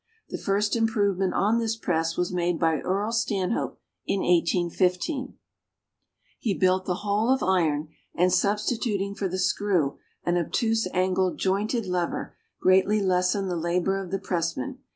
The first improvement on this press was made by Earl Stanhope in 1815. He built the whole of iron, and, substituting for the screw an obtuse angled jointed lever, greatly lessened the labor of the pressman.